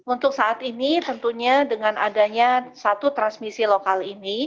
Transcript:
untuk saat ini tentunya dengan adanya satu transmisi lokal ini